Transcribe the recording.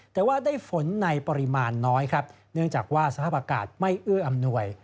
แต่ว่าได้ฝนในปริมาณน้อยครับเนื่องจากว่าสภาพอากาศไม่เอื้ออำนวย